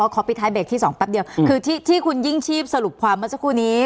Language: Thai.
ปิดท้ายเบรกที่๒แป๊บเดียวคือที่คุณยิ่งชีพสรุปความเมื่อสักครู่นี้